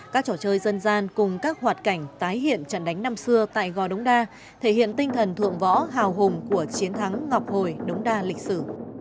các trò chơi dân gian cùng các hoạt cảnh tái hiện trận đánh năm xưa tại gò đống đa thể hiện tinh thần thượng võ hào hùng của chiến thắng ngọc hồi đống đa lịch sử